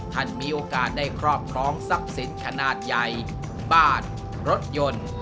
ท่านมีโอกาสได้ครอบครองทรัพย์สินขนาดใหญ่บ้านรถยนต์